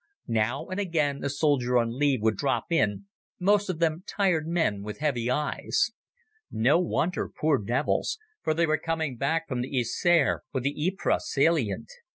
Now and again a soldier on leave would drop in, most of them tired men with heavy eyes. No wonder, poor devils, for they were coming back from the Yser or the Ypres salient.